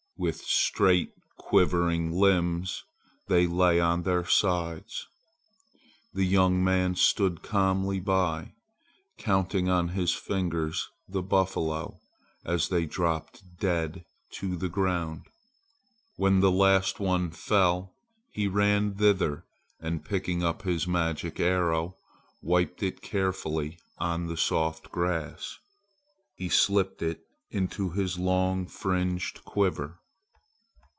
With straight quivering limbs they lay on their sides. The young man stood calmly by, counting on his fingers the buffalo as they dropped dead to the ground. When the last one fell, he ran thither and picking up his magic arrow wiped it carefully on the soft grass. He slipped it into his long fringed quiver.